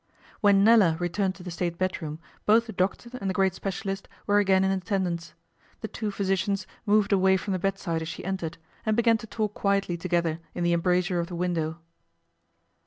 When Nella returned to the State bedroom both the doctor and the great specialist were again in attendance. The two physicians moved away from the bedside as she entered, and began to talk quietly together in the embrasure of the window.